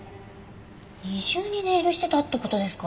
二重にネイルしてたって事ですか。